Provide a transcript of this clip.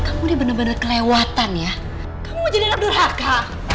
kamu ini bener bener kelewatan ya kamu jadi anak neraka